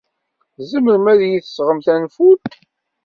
Tzemrem ad iyi-d-tesɣem tanfult?